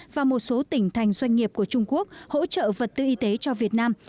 và một số tỉnh thành doanh nghiệp của trung quốc hỗ trợ vật tư y tế cho việt nam